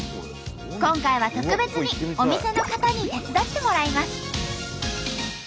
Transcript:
今回は特別にお店の方に手伝ってもらいます。